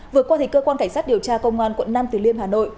vừa qua cơ quan cảnh sát điều tra công an quận nam từ liêm hà nội